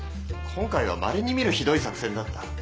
今回はまれにみるひどい作戦だった。